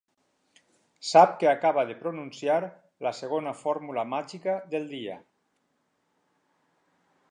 Sap que acaba de pronunciar la segona fórmula màgica del dia.